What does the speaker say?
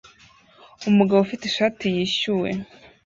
Umugabo ufite ishati yishyuwe